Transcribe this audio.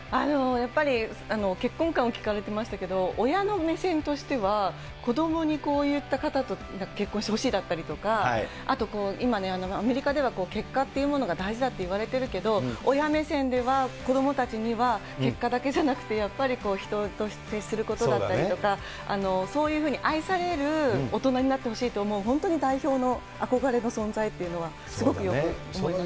やっぱり結婚観を聞かれてましたけど、親の目線としては、子どもにこういった方と結婚してほしいだったりとか、あとこう、今ね、アメリカでは結果っていうものが大事だっていわれてるけど、親目線では、子どもたちには結果だけじゃなくてやっぱり人と接することだったりとか、そういうふうに愛される大人になってほしいと思う、本当に代表の憧れの存在っていうのはすごくよく思いますね。